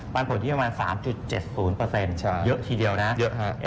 ปันผลที่ประมาณ๓๗๐เปอร์เซ็นต์เยอะทีเดียวนะ